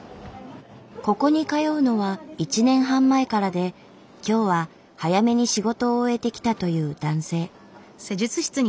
ここに通うのは１年半前からで今日は早めに仕事を終えて来たという男性。